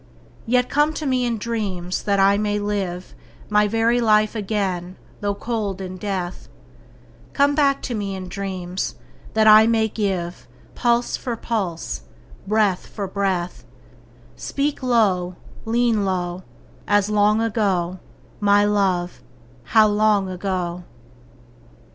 Yet come to me in dreams, that I may live My very life again though cold in death: Come back to me in dreams, that I may give Pulse for pulse, breath for breath: Speak low, lean low, As long ago, my love, how long ago!